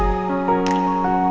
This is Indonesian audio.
sini kita mulai mencoba